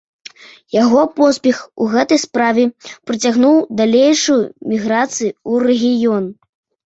Яго поспех у гэтай справе прыцягнуў далейшую міграцыі ў рэгіён.